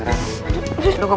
aduh gua meneh ah